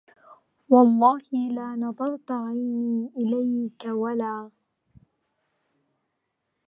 والله لا نظرت عيني إليك ولا